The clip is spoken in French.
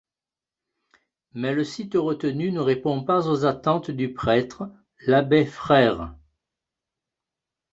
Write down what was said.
Mais le site retenu ne répond pas aux attentes du prêtre, l’abbé Frère.